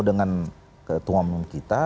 dengan ketua umum kita